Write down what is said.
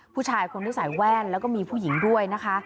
ผู้ชายคนที่ใส่แว่นแล้วก็มีผู้หญิงด้วยนะคะ